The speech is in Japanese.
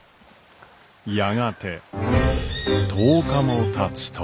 やがて１０日もたつと。